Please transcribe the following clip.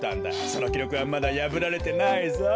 そのきろくはまだやぶられてないぞ。